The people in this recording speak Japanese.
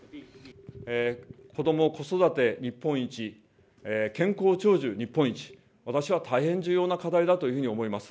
子ども・子育て日本一、健康長寿日本一、私は大変重要な課題だというふうに思います。